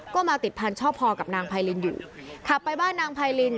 ก็มาติดพันธชอบพอกับนางไพรินอยู่ขับไปบ้านนางไพริน